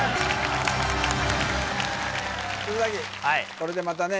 これでまたね